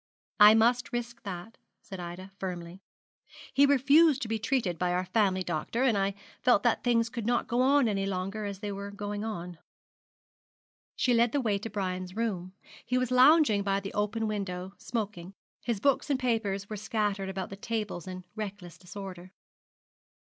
'I must risk that,' said Ida, firmly. 'He refused to be treated by our family doctor, and I felt that things could not go on any longer as they were going on.' She led the way to Brian's room. He was lounging by the open window, smoking; his books and papers were scattered about the tables in reckless disorder.